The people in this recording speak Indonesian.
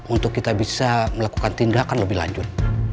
untuk kita bisa melakukan tindakan lebih lanjut